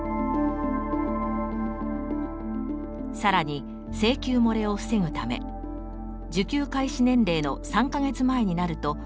さらに請求もれを防ぐため受給開始年齢の３か月前になると書類を発送。